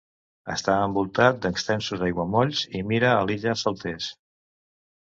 Està envoltat d'extensos aiguamolls i mira a l'illa Saltes.